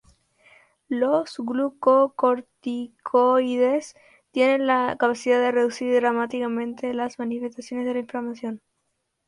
Los glucocorticoides tienen la capacidad de reducir dramáticamente las manifestaciones de la inflamación.